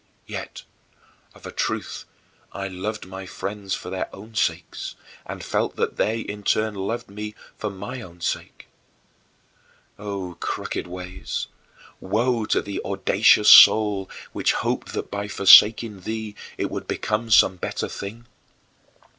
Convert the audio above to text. Yet of a truth I loved my friends for their own sakes, and felt that they in turn loved me for my own sake. O crooked ways! Woe to the audacious soul which hoped that by forsaking thee it would find some better thing!